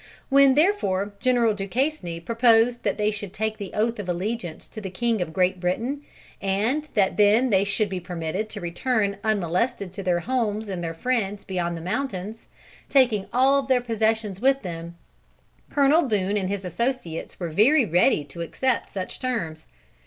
When, therefore, General Duquesne proposed that they should take the oath of allegiance to the King of Great Britain, and that then they should be permitted to return unmolested to their homes and their friends beyond the mountains, taking all their possessions with them, Colonel Boone and his associates were very ready to accept such terms.